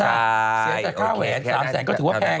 เสียแต่ค่าแหวน๓แสนก็ถือว่าแพง